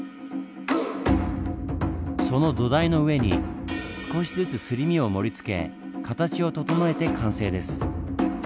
その土台の上に少しずつすり身を盛りつけ形を整えて完成です。